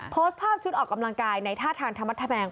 โพสต์ภาพชุดออกกำลังกายในท่าทางธรรมธแมง